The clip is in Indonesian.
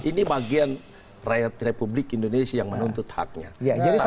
ini bagian rakyat republik indonesia yang menuntut haknya